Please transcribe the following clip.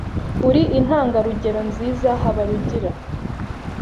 Uri intangarugero nziza, Habarugira.